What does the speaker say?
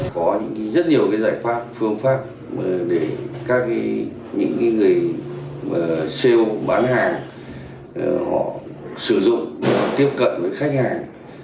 có rất nhiều giải pháp phương pháp để các người sale bán hàng họ sử dụng tiếp cận với khách hàng